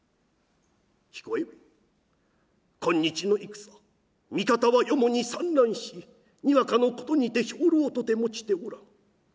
「彦右衛門今日の戦味方は四方に散乱しにわかのことにて兵糧とて持ちておらん。